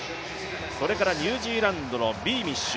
それからニュージーランドのビーミッシュ。